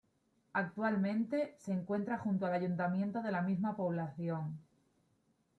Actualmente, se encuentra junto al ayuntamiento de la misma población.